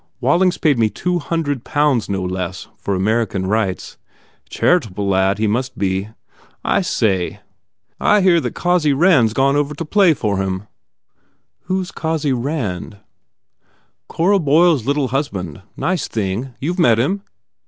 Waiting s paid me two hundred pounds, no less, for Ameri can rights. Charitable lad he must be! I say, I hear that Cossy Rand s gone over to play for him." "Who s Cossy Rand?" "Cora Boyle s little husband. Nice thing. You ve met him?